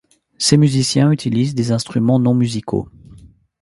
Ces musiciens utilisent des instruments non-musicaux.